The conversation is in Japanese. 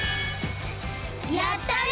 やったね！